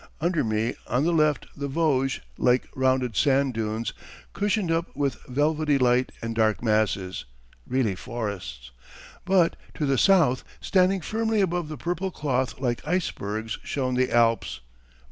Under me on the left the Vosges like rounded sand dunes cushioned up with velvety light and dark masses (really forests), but to the south standing firmly above the purple cloth like icebergs shone the Alps.